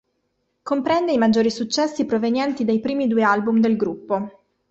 Comprende i maggiori successi provenienti dai primi due album del gruppo.